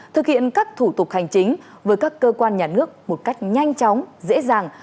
thực hiện các thủ tục hành chính với các cơ quan nhà nước một cách nhanh chóng dễ dàng